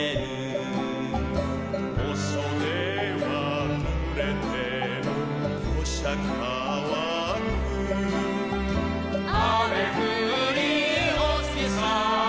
「お袖はぬれても干しゃかわく」「雨降りお月さん